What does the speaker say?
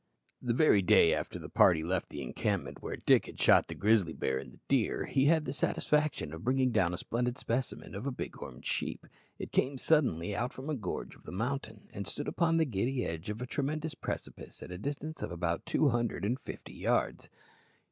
The very day after the party left the encampment where Dick had shot the grizzly bear and the deer, he had the satisfaction of bringing down a splendid specimen of the big horned sheep. It came suddenly out from a gorge of the mountain, and stood upon the giddy edge of a tremendous precipice, at a distance of about two hundred and fifty yards.